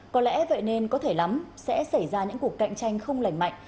có lẽ vậy nên có thể lắm sẽ xảy ra những cuộc cạnh tranh không lành mạnh